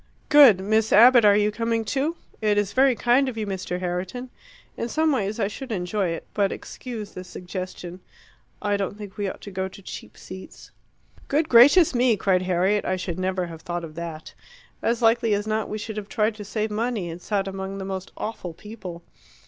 "Good. Miss Abbott, you are coming too?" "It is very kind of you, Mr. Herriton. In some ways I should enjoy it; but excuse the suggestion I don't think we ought to go to cheap seats." "Good gracious me!" cried Harriet, "I should never have thought of that. As likely as not, we should have tried to save money and sat among the most awful people.